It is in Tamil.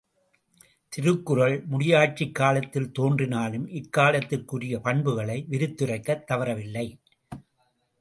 திருக்குறள் முடியாட்சிக் காலத்தில் தோன்றினாலும் இக்காலத்திற்குரிய பண்புகளை விரித்துரைக்கத் தவறவில்லை.